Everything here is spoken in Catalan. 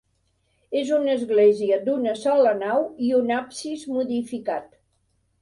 És una església d'una sola nau i un absis modificat.